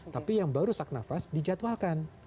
tapi yang baru sesak nafas dijadwalkan